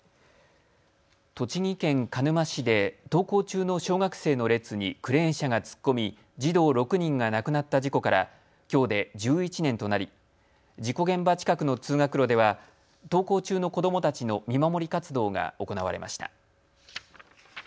栃木県鹿沼市で登校中の小学生の列にクレーン車が突っ込み児童６人が亡くなった事故からきょうで１１年となり事故現場近くの通学路では登校中の子どもたちの見守り活動が行われました。